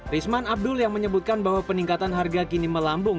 risman abdul yang menyebutkan bahwa peningkatan harga kini melambung